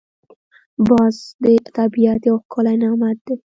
باز د طبیعت یو ښکلی نعمت دی